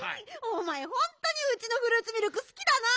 おまえホントにうちのフルーツミルクすきだな。